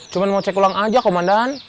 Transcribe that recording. cuma mau cek ulang aja komandan